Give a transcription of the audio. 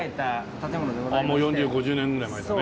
ああもう４０５０年ぐらい前だね。